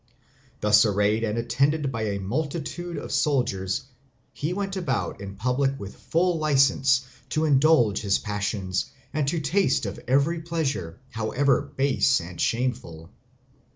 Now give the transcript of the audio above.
Thus arrayed and attended by a multitude of soldiers he went about in public with full license to indulge his passions and to taste of every pleasure, however base and shameful.